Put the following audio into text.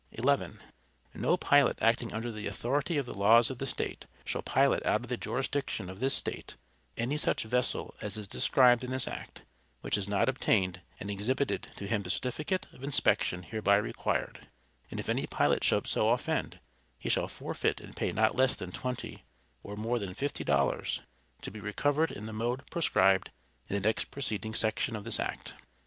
(11.) No pilot acting under the authority of the laws of the state, shall pilot out of the jurisdiction of this state any such vessel as is described in this act, which has not obtained and exhibited to him the certificate of inspection hereby required; and if any pilot shall so offend, he shall forfeit and pay not less than twenty, or more than fifty dollars, to be recovered in the mode prescribed in the next preceding section of this act.